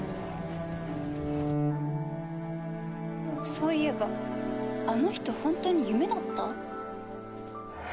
そういえばあの人ホントに夢だった？